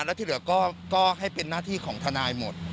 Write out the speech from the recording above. แล้วที่เหลือก็ให้เป็นหน้าที่ของทนายหมด